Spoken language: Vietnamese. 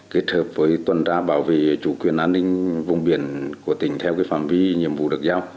kết hợp với tuần tra bảo vệ chủ quyền an ninh vùng biển của tỉnh theo phạm vi nhiệm vụ được giao